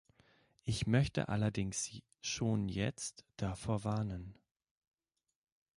Ich möchte allerdings schon jetzt davor warnen.